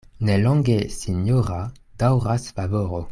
Ne longe sinjora daŭras favoro.